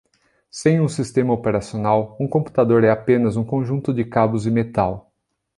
Sem um sistema operacional, um computador é apenas um conjunto de cabos e metal.